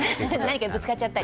何かにぶつかっちゃったり。